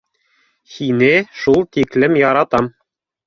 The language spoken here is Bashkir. Һине шул тиклем яратам.